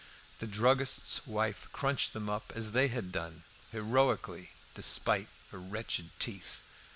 The druggist's wife crunched them up as they had done heroically, despite her wretched teeth.